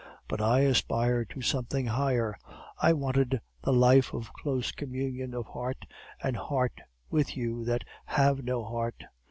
But I aspired to something higher; I wanted the life of close communion of heart and heart with you that have no heart.